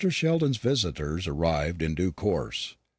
Sheldon's visitors arrived in due course.